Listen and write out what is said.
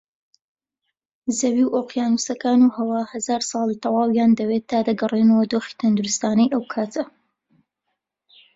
زەوی و ئۆقیانووسەکان و هەوا هەزار ساڵی تەواویان دەوێت تا دەگەڕێنەوە دۆخی تەندروستانەی ئەوکاتە